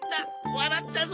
わらったぞ！